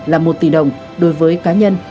là một tỷ đồng đối với cá nhân